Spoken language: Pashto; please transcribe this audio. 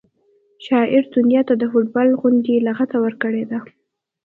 شاعر دنیا ته د فټبال غوندې لغته ورکړې ده